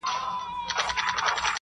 پاس پر پالنگه اكثر.